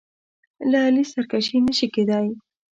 له علي سرکشي نه شي کېدای.